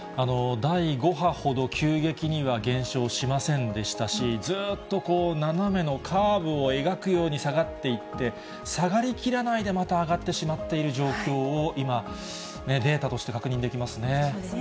第５波ほど急激には減少しませんでしたし、ずーっと斜めのカーブを描くように下がっていって、下がりきらないでまた上がってしまっている状況を、今、データとそうですよね。